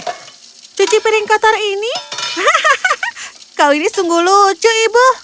cuci piring kotor ini kau ini sungguh lucu ibu